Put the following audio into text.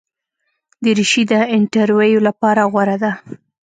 دریشي د انټرویو لپاره غوره ده.